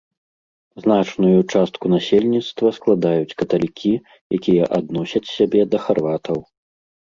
Значную частку насельніцтва складаюць каталікі, якія адносяць сябе да харватаў.